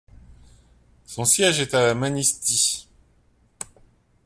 Son siège est à Manistee.